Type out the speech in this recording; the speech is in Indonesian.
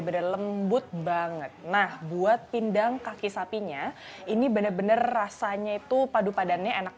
bener lembut banget nah buat pindang kaki sapinya ini bener bener rasanya itu padu padannya enak